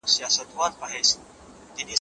خو هڅه باید په سمه لار کې وي.